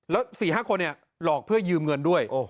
แล้ว๔๕คนหลอกเพื่อยืมเงินด้วย